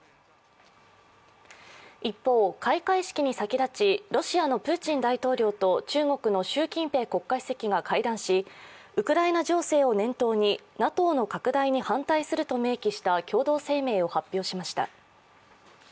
一方、開会式に先立ちロシアのプーチン大統領と中国の習近平国家主席が会談しウクライナ情勢を念頭にＮＡＴＯの拡大に反対すると明記した共同声明を発表しました。